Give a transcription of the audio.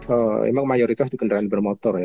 memang mayoritas di kendaraan bermotor ya